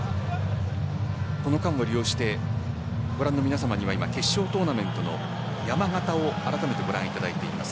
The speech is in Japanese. この間を利用してご覧の皆さまには決勝トーナメントの山型をあらためてご覧いただいています。